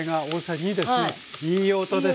いい音ですね。